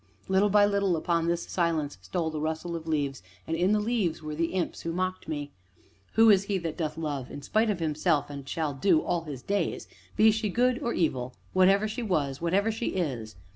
Little by little upon this silence stole the rustle of leaves, and in the leaves were the imps who mocked me: "Who is he that doth love in despite of himself, and shall do, all his days be she good or evil, whatever she was, whatever she is?